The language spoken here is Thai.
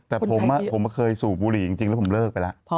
แต่ผมเคยสูบบุหรี่จริงแล้วผมเลิกไปแล้ว